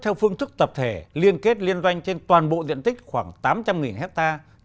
theo phương thức tập thể liên kết liên doanh trên toàn bộ diện tích khoảng tám trăm linh hectare